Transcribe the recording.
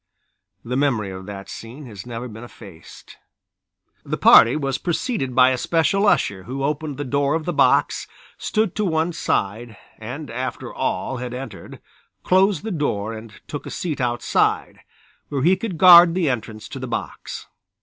The memory of that scene has never been effaced. The party was preceded by a special usher, who opened the door of the box, stood to one side, and after all had entered closed the door and took a seat outside, where he could guard the entrance to the box.